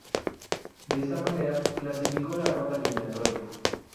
De esta manera, clasificó a la ronda eliminatoria.